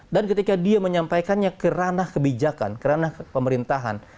dan ketika dia menyampaikannya kerana kebijakan kerana pemerintahan